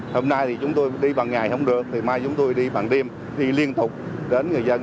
hôm nay thì chúng tôi đi bằng ngày không được thì mai chúng tôi đi bằng đêm thi liên tục đến người dân